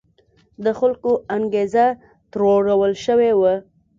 د خلکو انګېزه تروړل شوې وه.